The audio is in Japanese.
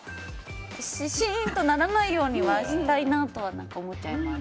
シーンとならないようにはしたいなと思っちゃいます。